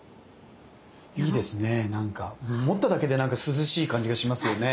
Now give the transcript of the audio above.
いいですねなんか持っただけで涼しい感じがしますよね。